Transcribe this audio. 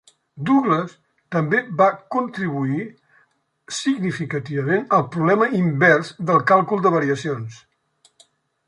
Douglas també va contribuir significativament al problema invers del càlcul de variacions.